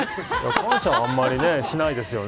感謝はあんまりしないですよね。